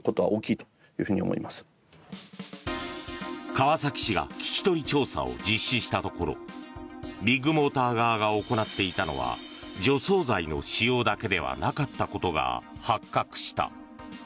川崎市が聞き取り調査を実施したところビッグモーター側が行っていたのは除草剤の使用だけではなかったことが発覚した。